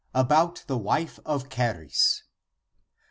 about the wife of charis. (A a.